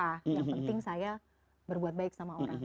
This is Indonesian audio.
yang penting saya berbuat baik sama orang